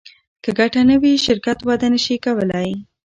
که ګټه نه وي شرکت وده نشي کولی.